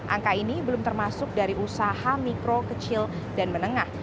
angka ini belum termasuk dari usaha mikro kecil dan menengah